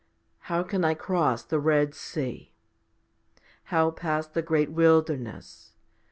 How can I cross the Red Sea ? how pass the great wilderness?